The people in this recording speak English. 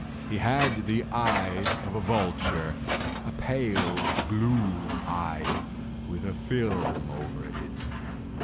He had the eye of a vulture—a pale blue eye, with a film over it.